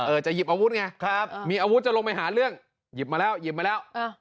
จะหยิบอาวุธไงครับมีอาวุธจะลงไปหาเรื่องหยิบมาแล้วหยิบมาแล้ว